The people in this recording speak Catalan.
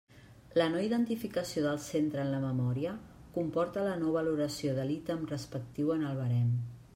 La no-identificació del centre en la memòria comporta la no-valoració de l'ítem respectiu en el barem.